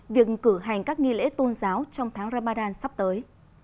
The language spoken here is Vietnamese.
việc cử hành các nghi lễ tôn giáo trong tháng ramadan sắp tới